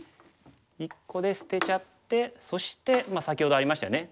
１個で捨てちゃってそして先ほどありましたよね